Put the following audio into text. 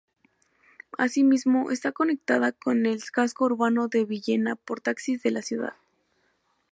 Asimismo, está conectada con el casco urbano de Villena por taxis de la ciudad.